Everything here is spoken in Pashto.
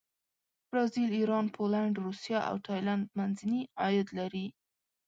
برازیل، ایران، پولینډ، روسیه او تایلنډ منځني عاید لري.